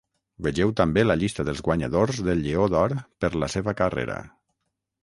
Vegeu també la llista dels guanyadors del Lleó d'Or per la seva carrera.